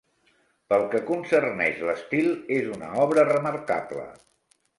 Pel que concerneix l'estil, és una obra remarcable.